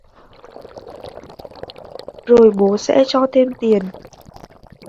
rồi bố xẽ cho thêm tiền